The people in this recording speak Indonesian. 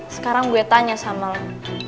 sekarang gue tanya sama lo